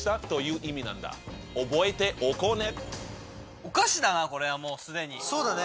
覚えておこうね！